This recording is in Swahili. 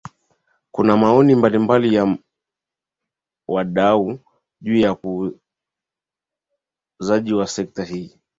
Kuna maoni mbalimbali ya wadau juu ya ukuzaji wa sekta hii